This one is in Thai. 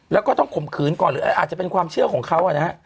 แล้วก็ต้องข่มขืนก่อนหรืออะไรอาจจะเป็นความเชื่อของเขานะฮะ